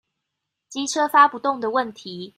機車發不動的問題